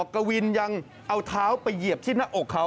กวินยังเอาเท้าไปเหยียบที่หน้าอกเขา